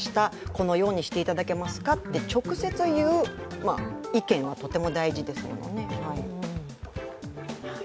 このようにしていただけますかって、直接言う意見はとても大事ですね。